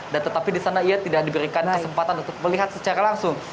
dan tetapi di sana ia tidak diberikan kesempatan untuk melihat secara langsung